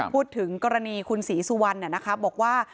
พูดถึงกรณีคุณศรีสุวรรณบอกว่า